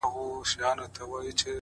صادق چلند باور ته دوام ورکوي